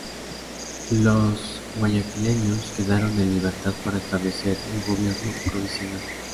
Los guayaquileños quedaron en libertad para establecer un gobierno provisional.